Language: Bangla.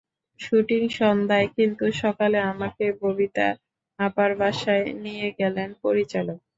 শুটিং সন্ধ্যায় কিন্তু সকালে আমাকে ববিতা আপার বাসায় নিয়ে গেলেন পরিচালক।